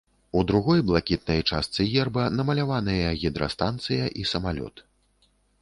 У другой блакітнай частцы герба намаляваныя гідрастанцыя і самалёт.